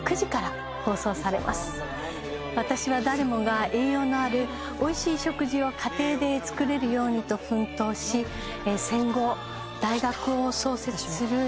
私は誰もが栄養のあるおいしい食事を家庭で作れるようにと奮闘し戦後大学を創設する女性を演じます。